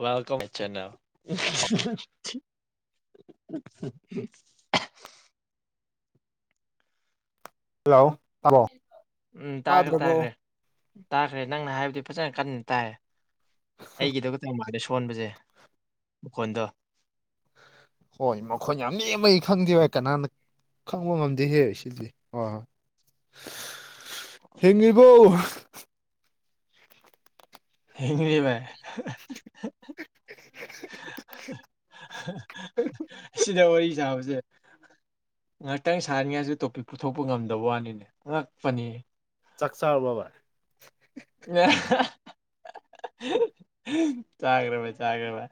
Welcome ꯆꯦꯟꯅ hello ꯇꯕꯣ ꯎꯝ ꯇꯥꯒ꯭ꯔꯦ ꯇꯥꯒ꯭ꯔꯦ ꯇꯥꯈ꯭ꯔꯦ ꯅꯪꯅ ꯍꯥꯏꯕꯗꯤ ꯐꯖꯅ ꯀꯟꯅꯟꯅ ꯇꯥꯏ ꯑꯩꯒꯤꯗ ꯀꯔꯦ ꯐꯣꯟꯕꯁꯦ ꯃꯈꯣꯟꯗꯣ ꯍꯣꯏ ꯃꯈꯣꯏ ꯌꯥꯝ ꯅꯦꯝꯃꯩ ꯈꯪꯗꯦ ꯋꯥꯏ ꯀꯅꯥꯅ ꯈꯪꯕ ꯉꯝꯗꯦ ꯍꯦ ꯁꯤꯗꯤ ꯍꯣꯏ ꯍꯣꯏ ꯍꯤꯡꯉꯤꯕꯣ ꯍꯕ ꯍꯥ ꯍꯥ ꯍꯥ ꯍꯥ ꯍꯥ ꯍꯥ ꯁꯤꯗ ꯋꯥꯔꯤ ꯁꯥꯕꯁꯦ ꯉꯥꯛꯇꯪ ꯁꯥꯔꯤꯉꯥꯏꯁꯨ ꯇꯣꯄꯤꯛ ꯄꯨꯊꯣꯛꯄ ꯉꯝꯗꯕ ꯋꯥꯅꯤꯅꯦ ꯑꯉꯛꯄꯅꯤ ꯆꯥꯛ ꯆꯥꯔꯕ ꯕꯥꯏ ꯆꯥꯒ꯭ꯔꯃꯦ ꯆꯥꯒ꯭ꯔꯃꯦ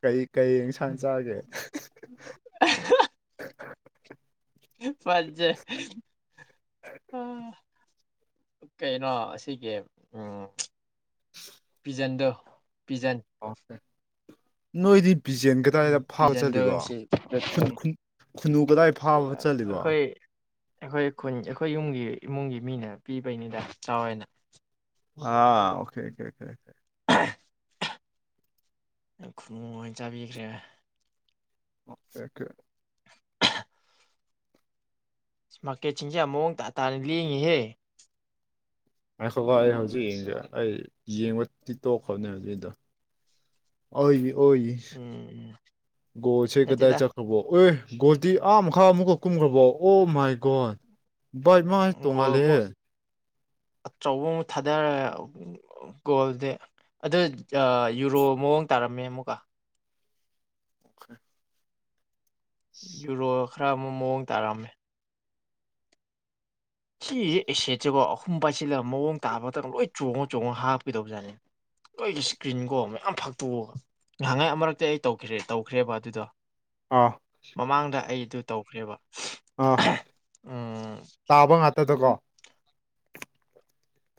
ꯀꯩ ꯀꯩꯡ ꯁꯥꯟ ꯆꯥꯒꯦ ꯐꯖꯩ ꯀꯩꯅꯣ ꯑꯁꯤꯒꯤ ꯎꯝ ꯄꯤꯖꯟꯗꯣ ꯄꯤꯖꯟ ꯑ ꯅꯣꯏꯗꯤꯞ ꯄꯤꯖꯦꯟ ꯎꯝ ꯀꯗꯥꯏꯗ ꯐꯥꯕ ꯄꯤꯖꯟꯗꯣ ꯆꯜꯂꯤꯠꯂꯤꯕ ꯉꯁꯤ ꯑꯩꯈꯣꯏ ꯈꯨꯟꯅꯨ ꯀꯗꯥꯏ ꯐꯥꯕ ꯆꯜꯂꯤꯠꯂꯤꯕ ꯑꯩꯈꯣꯏ ꯈꯨꯟ ꯑꯩꯈꯣꯏ ꯌꯨꯝꯒꯤ ꯏꯃꯨꯡꯒꯤ ꯃꯤꯅ ꯄꯤꯕꯩꯅꯤꯗ ꯆꯥꯎꯔꯏꯅ ꯑ ꯑꯣꯦꯦꯦ [inaudible] ꯈꯨꯅꯨꯃ ꯆꯥꯕꯤꯈ꯭ꯔꯦ ꯊꯦꯡ ꯃꯥꯀꯦꯠꯁꯤꯡꯁꯦ ꯑꯃꯨꯑꯣꯡ ꯇꯇꯥꯥꯅ ꯂꯦꯡꯉꯤꯍꯦ ꯍꯥꯏꯈꯣꯀ ꯑꯩ ꯍꯧꯖꯤꯛ ꯌꯦꯡꯁꯦ ꯑꯩ ꯌꯦꯡꯕꯗꯤ ꯇꯣꯛꯈ꯭ꯔꯕꯅꯦ ꯍꯧꯖꯤꯛꯗ ꯑꯩꯒꯤ ꯑꯣꯏ ꯏ ꯎꯝ ꯣꯁ ꯀꯗꯥ ꯅꯠꯇꯦꯗ ꯆꯈꯕꯣ ꯑꯦ ꯒꯣꯇꯤ ꯑꯥ ꯃꯈꯥ ꯑꯃꯨꯛꯀ ꯀꯨꯝꯈ꯭ꯔꯕꯣ ꯑꯣ ꯃꯥꯏ ꯒꯣꯗ ꯚꯥꯏ ꯃꯥ ꯒꯣꯜ ꯑꯃꯨꯛ ꯇꯣꯡꯉꯥꯂꯦꯦ ꯑꯆꯧꯕ ꯑꯃꯨꯛ ꯊꯥꯗꯔꯦ ꯒꯣꯜꯗꯤ ꯑꯗꯨ ꯌꯨꯔꯣ ꯃꯑꯣꯡ ꯇꯥꯔꯝꯃꯦ ꯑꯃꯨꯛꯀ ꯑꯣ ꯌꯨꯔꯣ ꯈꯔ ꯑꯃꯨ ꯃꯑꯣꯡ ꯇꯥꯔꯛꯑꯝꯃꯦ ꯁꯤꯁꯦ ꯑꯦꯁꯦꯠꯁꯤꯦꯀꯣ ꯑꯍꯨꯝ ꯄꯥꯏꯁꯤꯜꯂꯒ ꯃꯑꯣꯡ ꯇꯥꯕꯗꯪ ꯂꯣꯏ ꯆꯣꯡꯉ ꯆꯣꯡꯉ ꯍꯥꯞꯀꯗꯧꯕꯖꯥꯠꯅꯤ ꯅꯣꯏꯒꯤ ꯏꯁꯀ꯭ꯔꯤꯟꯒꯣ ꯃꯌꯥꯝ ꯐꯛꯇꯣꯛꯑꯒ ꯅꯥꯏꯍꯥꯟꯍꯩ ꯑꯃꯔꯛꯇꯤ ꯑꯩ ꯇꯧ ꯇꯧꯈ꯭ꯔꯦꯕ ꯑꯗꯨꯗꯣ꯫ ꯑꯥ ꯃꯃꯥꯡꯗ ꯑꯩ ꯑꯗꯨ ꯇꯧꯈ꯭ꯔꯦꯕ ꯑ ꯎꯝ ꯇꯥꯕ ꯇꯗꯀꯣ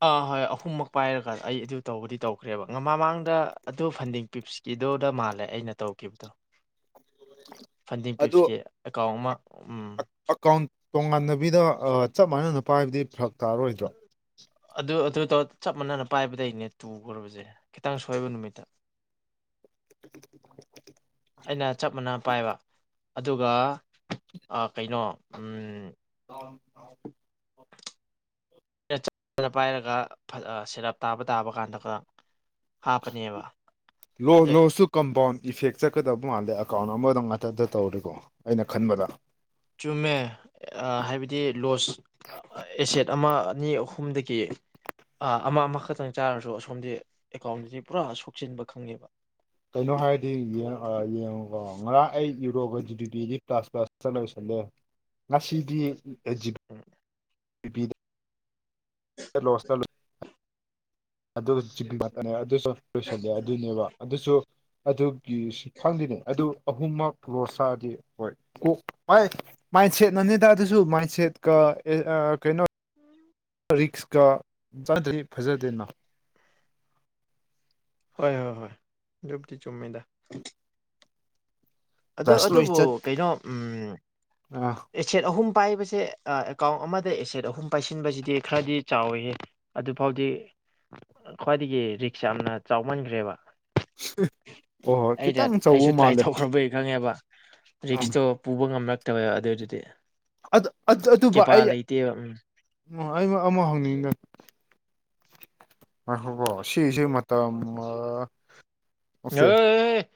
ꯑꯥ ꯍꯣꯏ ꯑꯍꯨꯝꯃꯛ ꯄꯥꯏꯔꯒ ꯑꯩ ꯑꯗꯨ ꯇꯧꯕꯗꯤ ꯇꯧꯈ꯭ꯔꯦꯕ ꯃꯃꯥꯡꯗ ꯑꯗꯨ [unintelligible] [unintelligible] ꯃꯥꯜꯂꯦ ꯑꯩꯅ ꯇꯧꯈꯤꯕꯗꯣ [unintelligible] [unintelligible] ꯑꯦꯀꯥꯎꯟ ꯑꯃ ꯎꯝ ꯑꯀꯥꯎꯟ ꯇꯣꯉꯥꯟꯅꯕꯤꯗ ꯆꯞ ꯃꯥꯟꯅꯅ ꯃꯅꯟ ꯄꯥꯏꯕꯗꯤ ꯐꯔ ꯇꯥꯔꯣꯏꯗ꯭ꯔꯣ? ꯑꯗꯨ ꯑꯗꯨ ꯆꯞ ꯃꯥꯟꯅꯅ ꯄꯥꯏꯕꯗꯒꯤꯅꯦ ꯇꯨꯈ꯭ꯔꯕꯁꯦ ꯈꯤꯇꯪ ꯁꯣꯏꯕ ꯅꯨꯃꯤꯠꯇ꯫ [inaudible] ꯑꯩꯅ ꯆꯞ ꯃꯥꯟꯅ ꯄꯥꯏꯕ ꯑꯗꯨꯒ ꯀꯩꯅꯣ ꯑꯝ ꯑ [unintelligible] ꯑꯩꯟ ꯆꯞ ꯃꯅꯥꯅ ꯄꯥꯏꯔꯒ ꯁꯦꯔꯞ ꯇꯥꯕ ꯇꯥꯕ ꯀꯥꯟꯗ ꯀꯣ ꯂꯣ ꯂꯣꯖꯇꯨ ꯀꯝꯄꯥꯎꯟ ꯏꯐꯦꯛ ꯆꯠꯀꯗꯕ ꯃꯥꯜꯂꯦ ꯑꯦꯀꯥꯎꯟ ꯑꯃꯗ ꯉꯥꯛꯇꯗ ꯇꯧꯔꯔꯤꯀꯣ ꯑꯩꯅ ꯈꯟꯕꯗ꯫ ꯆꯨꯝꯃꯦ ꯍꯥꯏꯕꯗꯤ ꯂꯣꯁ ꯑꯦꯁꯦꯠ ꯑꯃ ꯑꯅꯤ ꯑꯍꯨꯝꯗꯒꯤ ꯑꯃ ꯑꯃꯈꯛꯇꯪ ꯆꯥꯔꯁꯨ ꯑꯁꯣꯝꯗꯤ ꯑꯦꯀꯥꯎꯟꯗꯗꯤ ꯄꯨꯔꯥ ꯁꯣꯛꯆꯤꯟꯕ ꯈꯪꯉꯦꯕ ꯀꯩꯅꯣ ꯍꯥꯏꯔꯗꯤ ꯌꯦꯡꯉꯣ ꯉꯔꯥꯡ ꯑꯩ ꯌꯨꯔꯣꯒ ꯖꯤꯗꯤ ꯄꯤꯗꯤ ꯄꯥꯁ ꯄꯥꯁꯇ ꯂꯣꯏꯁꯜꯂꯦ ꯉꯁꯤꯗꯤ ꯑꯦꯖꯤꯕ ꯎꯝ ꯕꯤꯄꯤꯗ ꯂꯣꯁꯇ ꯑꯗꯨ [inaudible] ꯑꯗꯨꯁꯨ ꯂꯣꯏꯁꯤꯜꯂꯦ ꯑꯗꯨꯅꯦꯕ ꯑꯗꯨꯁꯨ ꯑꯗꯨꯒꯤ ꯈꯪꯗꯅꯦ ꯑꯗꯨ ꯑꯍꯨꯝꯃꯛ ꯔꯣ [unintelligible] ꯍꯣꯏꯣꯛ ꯃꯥꯏꯟꯁꯦꯠꯅꯅꯤꯗ ꯑꯗꯨꯁꯨ ꯃꯥꯏꯟꯁꯦꯠꯀ ꯀꯩꯅꯣ꯫ ꯔꯤꯛꯁꯀ [inaudible] ꯐꯖꯗꯦꯅ ꯍꯣꯏ ꯍꯣꯏ ꯍꯣꯏ ꯑꯗꯨꯕꯨꯗꯤ ꯆꯨꯝꯃꯤꯗ꯫ ꯑ ꯄ꯭ꯂꯁ ꯂꯣꯏ ꯑꯗꯨꯕꯨ ꯆꯠ ꯀꯩꯅꯣ ꯑꯥ ꯑꯦꯁꯦꯠ ꯑꯍꯨꯝ ꯄꯥꯏꯕꯁꯦ ꯑꯦꯀꯥꯎꯟ ꯑꯃꯗ ꯑꯦꯁꯦꯠ ꯑꯍꯨꯝ ꯄꯥꯏꯁꯤꯟꯕꯁꯤꯗꯤ ꯈꯔꯗꯤ ꯆꯥꯎꯋꯤ ꯑꯗꯨꯐꯥꯎꯗꯤ ꯈ꯭ꯋꯥꯏꯗꯒꯤ ꯔꯤꯛꯁ ꯌꯥꯝꯅ ꯆꯥꯎꯃꯟꯈ꯭ꯔꯦꯕ꯫ ꯑꯣ ꯍꯣꯏ ꯈꯤꯇꯪ ꯆꯧꯕ ꯃꯥꯜꯂꯦ꯫ ꯅꯦꯕ ꯎꯝ ꯔꯤꯛꯁꯇꯣ ꯄꯨꯕ ꯉꯝꯅ ꯇꯥꯕ ꯑꯗꯨꯏꯗꯨꯗꯤ ꯑꯗꯨ ꯑꯗꯨꯕꯨ ꯑꯩ꯫ ꯎꯝ ꯎꫭ ꯑꯩ ꯑꯃ ꯍꯪꯅꯤꯡꯗ ꯉꯏꯈꯣꯀꯣ ꯁꯤꯁꯦ ꯃꯇꯝ ꯃꯥ ꯍꯩ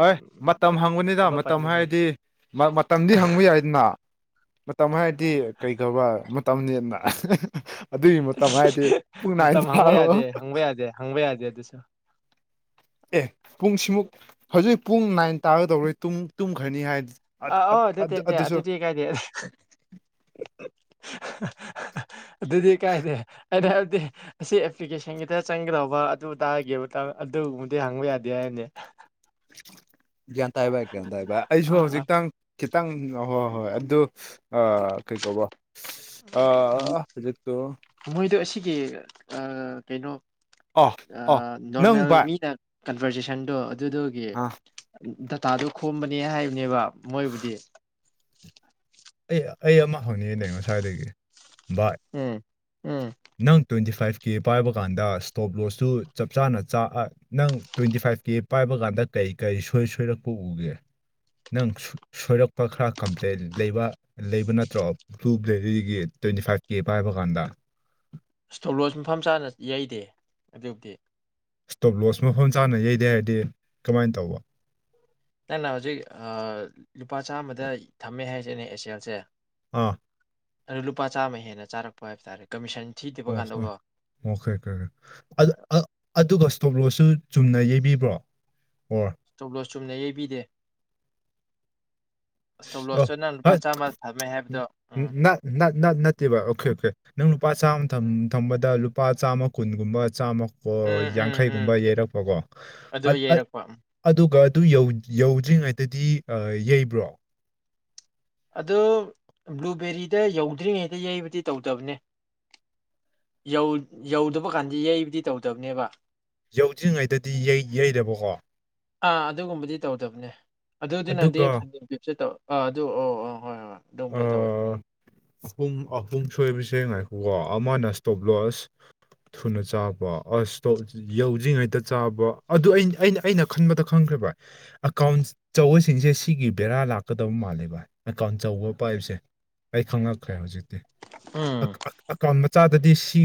ꯑꯥꯏ ꯃꯇꯝ ꯍꯪꯕꯅꯤꯗ ꯃꯇꯝ ꯍꯥꯏꯔꯗꯤ ꯃꯇꯝꯗꯤ ꯍꯪꯕ ꯌꯥꯏꯗꯅ ꯃꯇꯝ ꯍꯥꯏꯔꯗꯤ ꯀꯩꯒꯧꯕ ꯃꯇꯝꯅꯦꯅ꯫ ꯑꯗꯨꯒꯤ ꯃꯇꯝ ꯍꯥꯏꯗꯤ ꯄꯨꯡ ꯃꯇꯝ ꯅꯥꯏꯅ ꯇꯔꯕꯣ ꯑꯗꯨ [unintelligible] ꯑꯦ ꯄꯨꯡ ꯁꯤꯃꯨꯛ ꯍꯧꯖꯤꯛ ꯄꯨꯡ ꯅꯥꯏꯟ ꯇꯥꯒꯗꯧꯔꯦ ꯇꯨꯝ ꯇꯨꯝꯈ꯭ꯔꯅꯤ ꯍꯥꯏ꯫ ꯑꯥ ꯑꯣ ꯅꯠꯇꯦ ꯅꯇꯦ ꯑꯗꯨꯗꯤ ꯀꯥꯏꯗꯦ ꯑꯗꯨꯗꯤ ꯀꯥꯏꯗ ꯑꯩꯅ ꯍꯥꯏꯕꯗꯤ ꯑꯁꯤ ꯑꯦꯄ꯭ꯂꯤꯀꯦꯁꯟ ꯈꯤꯇ ꯆꯪꯒꯗꯧꯕ ꯑꯗꯨ ꯇꯥꯒꯦ ꯑꯗꯨꯒꯕꯨꯗꯤ ꯍꯪꯕ ꯌꯥꯗꯦ ꯍꯥꯏꯕꯅꯤ [inaudible] ꯒ꯭ꯌꯥꯟ ꯇꯥꯏꯕ ꯒ꯭ꯌꯥꯟ ꯇꯥꯏꯕ ꯑꯩꯁꯨ ꯑꯥ ꯑꯥ ꯍꯧꯖꯤꯛꯇꯪ ꯈꯤꯇꯪ ꯍꯣꯏ ꯍꯣꯏ ꯑꯗꯣ ꯑ ꯀꯩ ꯀꯧꯕ ꯑꯖꯤꯠꯇꯣ ꯑꯩꯒꯤ ꯑꯥ ꯀꯩꯅꯣ ꯑ ꯅꯣꯔꯃꯦꯜ ꯃꯤꯅ ꯀꯟꯚꯔꯖꯦꯁꯟꯗꯣ ꯑꯗꯨꯒꯤ꯫ ꯑꯥ [unintelligible] ꯗꯇꯥꯗꯨ ꯈꯣꯝꯕꯅꯦ ꯍꯥꯏꯕꯅꯦꯕ ꯃꯣꯏꯕꯨꯗꯤ ꯑꯩ ꯑꯩ ꯑꯃ ꯍꯧꯅꯤꯡꯉꯦ [unintelligible] ꯉꯁꯋꯥꯗꯒꯤ ꯕꯥꯏ ꯎꯝ ꯎꯝ ꯅꯪ ꯇ꯭ꯋꯦꯟꯇꯤ ꯐꯥꯏꯚ ꯀꯦ ꯄꯥꯏꯕ ꯀꯥꯟꯗ ꯏꯁ꯭ꯇꯣꯞ ꯂꯣꯁꯇꯨ ꯆꯞ ꯆꯥꯅ ꯆꯥꯛꯑ ꯅꯪ ꯇ꯭ꯋꯦꯟꯇꯤ ꯐꯥꯏꯚ ꯀꯦ ꯄꯥꯏꯕ ꯀꯥꯟꯗ ꯀꯔꯤ ꯀꯔꯤ ꯁꯣꯏ ꯁꯣꯏꯔꯛꯄ ꯎꯒꯦ ꯅꯪ ꯁꯣꯏꯔꯛꯄ ꯈꯔ ꯀꯝꯄ꯭ꯂꯦꯟ ꯂꯩꯕ ꯂꯩꯕ ꯅꯠꯇ꯭ꯔꯣ ꯕ꯭ꯂꯨ [unintelligible] ꯇ꯭ꯋꯦꯟꯇꯤ ꯐꯥꯏꯚ ꯀꯦ ꯄꯥꯏꯕ ꯀꯥꯟꯗ꯫ ꯑꯁ [unintelligible] ꯊꯣꯂꯣꯁꯨ ꯃꯐꯝ ꯆꯥꯅ ꯌꯩꯗꯦ ꯑꯗꯨꯕꯨꯗꯤ ꯏꯁꯇꯣꯞ ꯂꯣꯁꯁꯨ ꯃꯐꯝ ꯆꯥꯅ ꯌꯩꯗꯦ ꯍꯥꯏꯗꯤ ꯀꯃꯥꯏꯅ ꯇꯧꯕ ꯅꯪꯅ ꯍꯧꯖꯤꯛ ꯂꯨꯄꯥ ꯆꯥꯝꯃꯗ ꯊꯝꯃꯦ ꯍꯥꯏꯁꯦꯅꯦ [unintelligible] ꯑꯥ ꯑꯗꯨꯗꯣ ꯂꯨꯄꯥ ꯆꯥꯝꯃ ꯍꯦꯟꯅ ꯆꯥꯔꯛꯄ ꯍꯥꯏꯕ ꯇꯥꯔꯦ ꯀꯃꯤꯁꯟ ꯊꯤꯗꯕ ꯑꯣ ꯀꯥꯟꯗꯀꯣ ꯑꯣꯀꯦꯀꯦ ꯑꯗꯨ ꯑꯗꯨꯒ ꯁꯇꯣꯝꯂꯣꯁꯁꯨ ꯆꯨꯝꯅ ꯌꯩꯕꯤꯕ꯭ꯔꯣ ꯑꯣ [unintelligible] ꯂꯣꯁ ꯆꯨꯝꯅ ꯌꯩꯕꯤꯗꯦ ꯏꯁꯇꯣꯞ ꯂꯣꯁꯇꯣ ꯅꯪ ꯂꯨꯄꯥ ꯑꯣ ꯆꯥꯝꯃ ꯊꯝꯃꯦ ꯍꯥꯏꯕꯗꯣ ꯎꯝ [unintelligible] ꯅꯠꯇꯦꯕ ꯑꯣꯈꯦ ꯑꯣꯈꯦ ꯂꯨꯄꯥ ꯆꯥꯝꯃ ꯊꯝ ꯊꯝꯕꯗ ꯂꯨꯄꯥ ꯆꯥꯝꯃ ꯀꯨꯟꯒꯨꯝꯕ ꯆꯥꯝꯃ [unintelligible] ꯑꯣ ꯎꯝ ꯎꯝ ꯎꯝ ꯌꯥꯡꯈꯩꯒꯨꯝꯕ ꯌꯩꯔꯛꯄꯀꯣ ꯑꯗꯨ ꯌꯩꯔꯛꯄ ꯎꯝ ꯑꯗꯨꯒ ꯑꯗꯨ ꯌꯧꯗ꯭ꯔꯤꯉꯩꯗꯗꯤ ꯌꯩꯕ꯭ꯔꯣ ꯑꯗꯨ ꯕ꯭ꯂꯨꯕꯦꯔꯤꯗ ꯌꯧꯗ꯭ꯔꯤꯉꯩꯗ ꯌꯩꯕꯗꯤ ꯇꯧꯗꯕꯅꯦ ꯌꯧꯗꯕ ꯀꯥꯟꯗ ꯌꯩꯕꯗꯤ ꯇꯧꯗꯕꯅꯦꯕ꯫ ꯌꯧꯗ꯭ꯔꯤꯉꯩꯗꯗꯤ ꯌꯩ ꯌꯩꯗꯕꯀꯣ ꯑꯥ ꯑꯗꯨꯒꯨꯝꯕꯗꯤ ꯇꯧꯗꯕꯅꯦ ꯑꯗꯨꯗꯤꯅꯗꯤ ꯑꯗꯨꯒ ꯐꯅ [unintelligible] [unintelligible] ꯑꯥ ꯑꯗꯨ ꯑꯣ ꯍꯣꯏ ꯍꯣꯏ ꯑ ꯑꯗꯨꯝꯕꯗ ꯇꯧꯋꯦ ꯑꯍꯨꯝ ꯑꯍꯨꯝ ꯁꯣꯏꯕꯁꯦ ꯉꯥꯏ ꯋꯥ ꯑꯃꯅ ꯏꯁꯇꯣꯞ ꯂꯣꯁ ꯊꯨꯅ ꯆꯥꯕ ꯑꯁꯇꯣꯞ ꯌꯧꯗ꯭ꯔꯤꯉꯩꯗ ꯆꯥꯕ ꯑꯗꯨ ꯑ ꯑꯩꯅ ꯑꯩꯅ ꯈꯟꯕꯗ ꯈꯪꯈ꯭ꯔꯦ ꯚꯏ ꯑꯦꯀꯥꯎꯟ ꯆꯧꯕꯁꯤꯡꯁꯦ ꯁꯤꯒꯤ ꯕꯦꯔꯥ ꯂꯥꯛꯀꯗꯕ ꯃꯥꯜꯂꯦ ꯚꯥꯏ ꯑꯦꯀꯥꯎꯟ ꯆꯧꯕ ꯄꯥꯏꯕꯁꯦ ꯑꯩ ꯈꯪꯪꯂꯛꯈ꯭ꯔꯦ ꯍꯧꯖꯤꯛ ꯎꯝ [unintelligible] ꯆꯥꯗꯗꯤ ꯁꯤ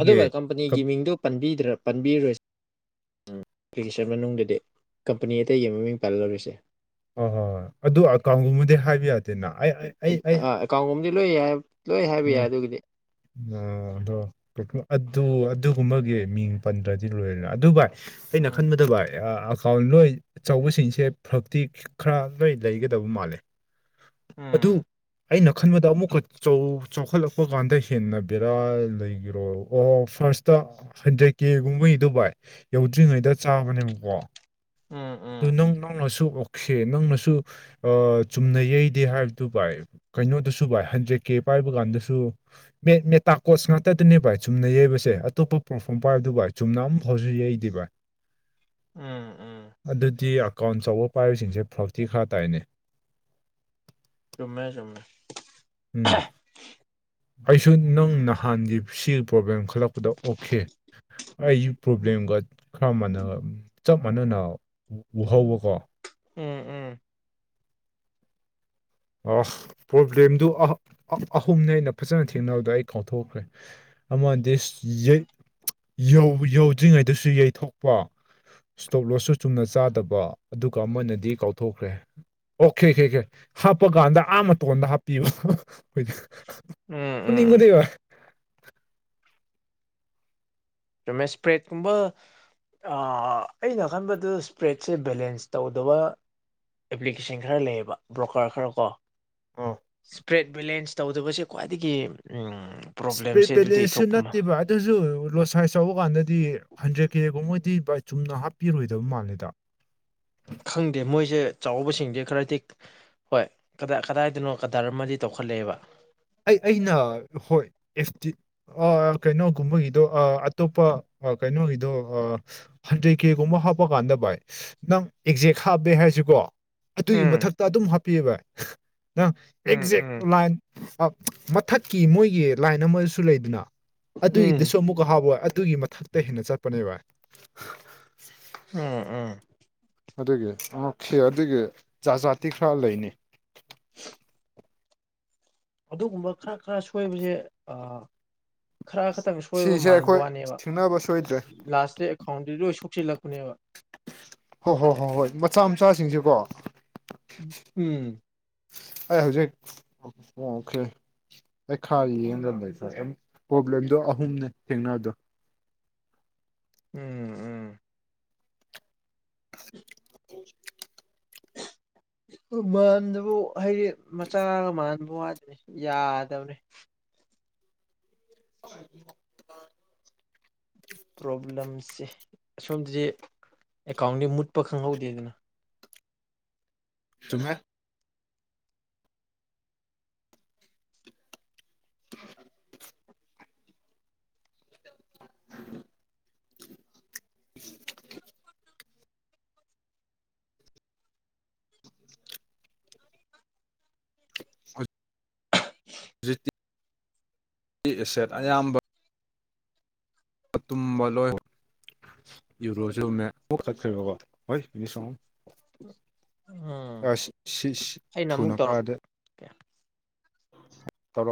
ꯑꯗꯨꯒ ꯀꯝꯄꯅꯤꯒꯤ ꯃꯤꯡꯗꯨ ꯄꯟꯕꯤꯔꯣꯏ ꯑꯦꯄ꯭ꯂꯤꯀꯦꯁꯟ ꯃꯅꯨꯡꯗꯗꯤ ꯀꯝꯄꯅꯤ ꯑꯇꯩꯒꯤ ꯃꯃꯤꯡ ꯄꯜꯂꯔꫭꯏꯁꯦ ꯍ ꯍꯣꯏ ꯍꯣꯏ ꯑꯗꯨ ꯑꯀꯥꯎꯟꯒꯨꯝꯕꯗꯤ ꯍꯥꯏꯕ ꯌꯥꯗꯦ ꯅ ꯑꯩ ꯑꯩ ꯑꯥ ꯑꯦꯀꯥꯎꯟꯒꯨꯝꯕꯗꯤ ꯂꯣꯏ ꯌꯥꯏ ꯂꯣꯏ ꯍꯥꯏꯕ ꯌꯥꯏ ꯑꯗꯨꯒꯤꯗꯤ ꯑꯣ ꯑꯗꯣ ꯑꯗꯨ ꯑꯗꯨꯒꯨꯝꯕꯒꯤ ꯃꯤꯡ ꯄꯟꯗ꯭ꯔꯗꯤ ꯂꯣꯏꯔꯅ ꯑꯗꯨ ꯚꯥꯏ ꯑꯩꯅ ꯎꯝ ꯈꯟꯕꯗ ꯚꯥꯏ ꯑꯦꯀꯥꯎꯟ ꯂꯣꯏ ꯑꯆꯧꯕꯁꯤꯡꯁꯦ ꯐꯔꯛꯇꯤ ꯈꯔ ꯂꯣꯏ ꯂꯩꯒꯗꯕ ꯃꯥꯜꯂꯦ ꯑꯗꯨ ꯎꯝ ꯑꯩꯅ ꯈꯟꯕꯗ ꯑꯃꯨꯛꯀ ꯆꯥꯎꯈꯠꯂꯛꯄ ꯀꯥꯟꯗ ꯍꯦꯟꯅ ꯕꯦꯔꯥ ꯂꯩꯈꯤꯔꯣ ꯑꯣ ꯐꯥꯔꯁꯇ ꯍꯟꯗ꯭ꯔꯦꯠ ꯀꯦꯒꯨꯝꯕꯩꯗꯨ ꯚꯥꯏ ꯌꯧꯗ꯭ꯔꯤꯉꯩꯗ ꯆꯥꯕꯅꯦꯕꯀꯣ ꯎꯝ ꯑꯗꯨ ꯎꯝ ꯅꯪ ꯅꯪꯅ ꯑꯣꯛꯁꯦ ꯅꯪꯅꯁꯨ ꯆꯨꯝꯅ ꯌꯩꯗꯦ ꯍꯥꯏꯕꯗꯨ ꯚꯥꯏ ꯀꯩꯅꯣꯗꯁꯨ ꯚꯥꯏ ꯍꯟꯗ꯭ꯔꯦꯠ ꯀꯦ ꯄꯥꯏꯕ ꯀꯥꯟꯗꯁꯨꯦ ꯃꯦꯇꯥ ꯀꯣꯁ ꯉꯥꯛꯇꯗꯅꯦ ꯚꯥꯏ ꯆꯨꯝꯅ ꯌꯩꯕꯁꯦ ꯑꯇꯣꯞꯄ ꯄ꯭ꯂꯣꯠꯐꯣꯝ ꯄꯥꯏꯕꯗꯨ ꯚꯥꯏ ꯆꯨꯝꯅ ꯑꯃꯝꯐꯥꯎꯁꯨ ꯌꯩꯗꯦ ꯚꯥꯏ ꯎꯝ ꯎꯝ ꯑꯗꯨꯗꯤ ꯑꯦꯀꯥꯎꯟ ꯆꯧꯕ ꯄꯥꯏꯕꯁꯤꯡꯁꯦ ꯐ꯭ꯔꯥꯛꯇꯤ ꯈꯔ ꯇꯥꯏꯅꯦ ꯆꯨꯝꯃꯦ ꯆꯨꯝꯃꯦ ꯎꯝ ꯑꯩꯁꯨ ꯅꯪ ꯅꯍꯥꯟꯒꯤ ꯁꯤ ꯄ꯭ꯔꯣꯕ꯭ꯂꯦꯝ ꯈꯜꯂꯛꯄꯗ ꯑꯣꯀꯦ ꯑꯩꯒꯤ ꯄ꯭ꯔꯣꯕ꯭ꯂꯦꯝꯒ ꯈꯔ ꯃꯥꯟꯅꯒ ꯆꯞ ꯃꯥꯟꯅꯅ ꯎꯍꯧꯕꯀꯣ ꯎꯝ ꯎꯝ ꯑ ꯄ꯭ꯔꯣꯕ꯭ꯂꯦꯝꯗꯨ ꯑꯍꯨꯝꯅꯤ ꯑꯩꯅ ꯐꯖꯅ ꯊꯦꯡꯅꯕꯗ ꯑꯩ ꯀꯥꯎꯊꯣꯛꯈ꯭ꯔꯦ ꯑꯃꯅ ꯌꯧꯗ꯭ꯔꯤꯉꯩꯗꯁꯨ ꯌꯩꯊꯣꯛꯄ ꯏꯁꯇꯣꯞ ꯂꯣꯠꯁꯨ ꯆꯨꯝꯅ ꯆꯥꯗꯕ ꯑꯗꯨꯒ ꯑꯃꯅꯗꯤ ꯀꯥꯎꯊꯣꯛꯈ꯭ꯔꯦ ꯑꯣꯀꯦ ꯀꯦ ꯀꯦ ꯍꯥꯞ ꯍꯥꯞꯄ ꯀꯥꯟꯗ ꯑꯥ ꯃꯇꯣꯟꯗ ꯍꯥꯞꯄꯤꯕ ꯑꯩꯣꯏꯗꯤ ꯎꯝ ꯎꯝ ꯄꯨꯅꯤꯡꯉꯗꯤꯩꯕ ꯌꯨꯝꯃꯦ ꯏꯁꯄ꯭ꯔꯦꯠꯀꯨꯝꯕ ꯑꯩꯅ ꯈꯟꯕꯗ ꯏꯁꯄ꯭ꯔꯦꯠꯁꯦ ꯕꯦꯂꯦꯟꯁ ꯇꯧꯗꯕ ꯑꯦꯄ꯭ꯂꯤꯀꯦꯁꯟ ꯈꯔ ꯂꯩꯌꯦꯕ ꯕ꯭ꯔꯣꯀꯔ ꯈꯔꯀꯣ [unintelligible] ꯇ꯭ꯔꯦꯠ ꯕꯦꯂꯦꯟꯁ ꯇꯧꯗꯕꯁꯦ ꯈ꯭ꯋꯥꯏꯗꯒꯤ ꯏꯁꯄꯤꯠ ꯄ꯭ꯔꯣꯕ꯭ꯂꯦꯝꯁꯦ ꯑꯗꯨꯗꯒꯤ ꯕꯦꯂꯦꯟꯁꯦ ꯊꯣꯛꯄ ꯑꯃ ꯅꯠꯇꯦꯕ ꯑꯗꯨꯁꯨ ꯂꯣꯁ ꯆꯥꯎꯧꯕ ꯀꯥꯟꯗꯗꯤ ꯍꯟꯗ꯭ꯔꯦꯠ ꯀꯦꯒꯨꯝꯕ ꯗꯤ ꯚꯥꯏ ꯆꯨꯝꯅ ꯍꯥꯞꯄꯤꯔꯣꯏꯗꯕ ꯃꯥꯜꯂꯦꯗ ꯈꯪꯗꯦ ꯃꯣꯏꯁꯦ ꯆꯥꯎꯕꯁꯤꯡꯁꯦ ꯈꯔꯗꯤ ꯍꯣꯏ ꯀꯗꯥꯏ ꯀꯗꯥꯏꯗꯅꯣ ꯀꯗꯥꯔꯝꯃꯗꯤ ꯇꯧꯈꯠꯂꯛꯑꯦꯕ ꯑꯩ ꯑꯩꯅ ꯍꯣꯏ ꯑꯦꯐꯇꯤ ꯀꯩꯅꯣꯒꯨꯝꯕꯒꯤꯗꯣ ꯑꯇꯣꯞꯄ ꯀꯩꯅꯣꯒꯤꯗꯣ ꯍꯟꯗ꯭ꯔꯦꯗ ꯀꯦꯒꯨꯝꯕ ꯍꯥꯞꯄ ꯀꯥꯟꯗ ꯚꯥꯏ ꯅꯪ ꯑꯦꯛꯖꯦꯛ ꯍꯥꯞꯄꯦ ꯍꯥꯏꯁꯤꯀꯣ ꯑꯗꯨꯒꯤ ꯎꯝ ꯃꯊꯛꯇ ꯑꯗꯨꯝ ꯍꯥꯞꯄꯤꯕ ꯍꯥ ꯎꯝ ꯑꯦꯛꯖꯦꯛ ꯎꯝ ꯂꯥꯏꯟ ꯃꯊꯛꯀꯤ ꯃꯣꯏꯒꯤ ꯂꯥꯏꯟ ꯑꯃꯁꯨ ꯂꯩꯗꯅ ꯎꯝ ꯑꯗꯨꯒꯤꯗꯨꯁꯨ ꯑꯃꯨꯛꯀ ꯍꯥꯞꯄꯣꯏ ꯑꯗꯨꯒꯤ ꯃꯊꯛꯇ ꯇꯩ ꯍꯦꯟꯅ ꯆꯠꯄꯅꯦꯕꯏ ꯎꯝ ꯎꯝ ꯑꯗꯨꯒꯤ ꯑꫭꯈꯦ ꯑꯗꯨꯒꯤ ꯖꯥꯠ ꯖꯥꯇꯤ ꯈꯔ ꯂꯩꯅꯤ ꯑꯗꯨꯒꯨꯝꯕ ꯈꯔ ꯈꯔ ꯁꯣꯏꯕꯁꯦ ꯈꯔ ꯈꯛꯇꯪ ꯁꯣꯏꯕ ꯁꯤꯁꯦ ꯃꯥꯟꯕ ꯑꯩꯈꯣꯏ ꯋꯥꯅꯦꯕ ꯊꯦꯡꯅꯕ ꯁꯣꯏꯗ꯭ꯔꯦ ꯂꯥꯁꯇ ꯑꯦꯀꯥꯎꯟꯗꯤ ꯂꯣꯏ ꯂꯥꯛ ꯈꯨꯨꯅꯦꯕ ꯍꯣꯏ ꯍꯣꯏ ꯍꯣꯏ ꯍꯣꯏ ꯃꯆꯥ ꯃꯆꯥꯁꯤꯡꯁꯤꯦꯀꯣ ꯎꯝ ꯑꯩ ꯍꯧꯖꯤꯛ ꯑꯣ ꯑꯣꯀꯦ ꯑꯩ ꯈꯔ ꯌꯦꯡꯗꯕ ꯂꯩꯇꯔ ꯄ꯭ꯔꯣꯕ꯭ꯂꯦꯝꯗꯣ ꯑꯍꯨꯝꯅꯦ ꯊꯦꯡꯅꯕꯗꯣ ꯎꯝ ꯎꯝ ꯎ ꯃꯥꯟꯗꯨꯕꯨ ꯍꯥꯏꯗꯤ ꯃꯆꯥꯒ ꯃꯥꯟꯕ ꯋꯥꯗꯅꯤ ꯌꯥꯗꯕꯅꯤ [unintelligible] ꯄ꯭ꯔꯣꯕ꯭ꯂꯦꯝꯁꯦ ꯑꯁꯣꯝꯗꯗꯤ ꯑꯦꯀꯥꯎꯟꯗꯤ ꯃꯨꯠꯄ ꯈꯪꯍꯧꯗꯦꯗꯅ ꯆꯨꯝꯃꯦ [inaudible] [inaudible] ꯖꯤꯇꯤ ꯑꯦꯁꯦꯠ ꯑꯌꯥꯝꯕ ꯇꯨꯝꯕ ꯂꯣꯏ ꯌꯨꯔꯣꯁꯨꯝꯃꯦ ꯑꯃꯛ ꯆꯠꯈ꯭ꯔꯦꯔꯤꯕꯀꯣ ꯍꯣꯏ ꯏꯅꯤ ꯎꯝ ꯁꯪꯉ ꯁꯤ ꯊꯨꯅ ꯀꯥꯗ ꯀꯦ [unintelligible]